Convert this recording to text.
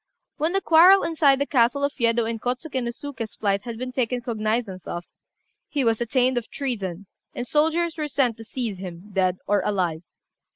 When the quarrel inside the castle of Yedo and Kôtsuké no Suké's flight had been taken cognizance of, he was attainted of treason, and soldiers were sent to seize him, dead or alive.